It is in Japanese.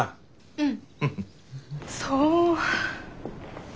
うん。